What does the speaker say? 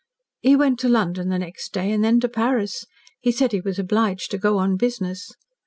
"He went to London the next day, and then to Paris. He said he was obliged to go on business.